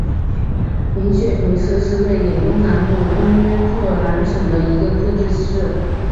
林雪平市是瑞典东南部东约特兰省的一个自治市。